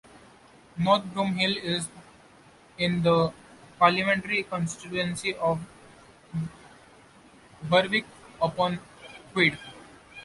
North Broomhill is in the parliamentary constituency of Berwick-upon-Tweed.